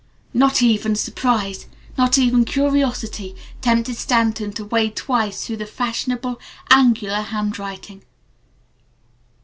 Not even surprise, not even curiosity, tempted Stanton to wade twice through the fashionable, angular handwriting.